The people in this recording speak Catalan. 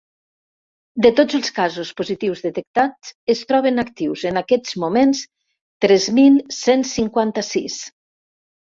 De tots els casos positius detectats, es troben actius en aquests moments tres mil cent cinquanta-sis.